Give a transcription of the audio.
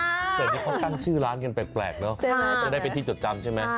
แต่นี่เขาตั้งชื่อร้านกันแปลกเนอะจะได้เป็นที่จดจำใช่ไหม